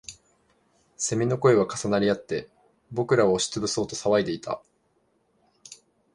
蝉の声は重なりあって、僕らを押しつぶそうと騒いでいた